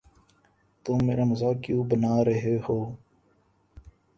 تم میرا مزاق کیوں بنا رہے ہو؟